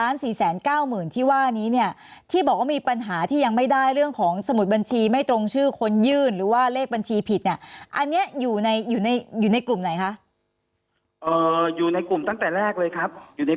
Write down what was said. อยู่ในกลุ่มตั้งแต่แรกเลยก็มีครับคุณจอมควันครับ